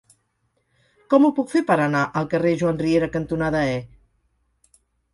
Com ho puc fer per anar al carrer Joan Riera cantonada E?